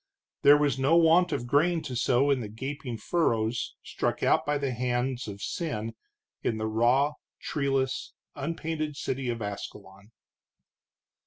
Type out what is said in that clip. There was no want of grain to sow in the gaping furrows struck out by the hands of sin in the raw, treeless, unpainted city of Ascalon.